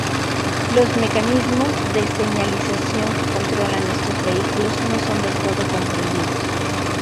Los mecanismos de señalización que controlan estos vínculos no son del todo comprendidos.